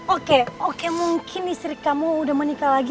oke oke mungkin istri kamu udah menikah lagi